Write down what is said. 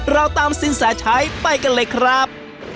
เราตามสินแสชัยไปกันเลยครับ